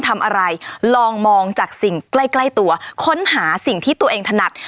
ทำอะไรลองมองจากสิ่งใกล้ใกล้ตัวค้นหาสิ่งที่ตัวเองถนัด